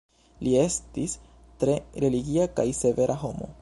Li estis tre religia kaj severa homo.